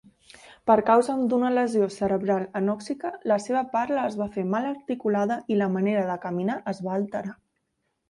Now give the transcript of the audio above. Per causa d'una lesió cerebral anòxica, la seva parla es va fer mal articulada i la manera de caminar es va alterar.